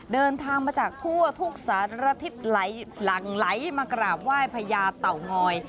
เดินทางมาจากทั่วทุกสารทิศหลังไหลมากราบไหว้พญาเต่างอย